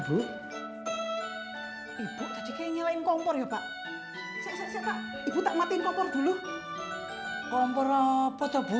bu ibu tadi kayaknya lain kompor ya pak saya tak matiin kompor dulu kompor apa tuh bu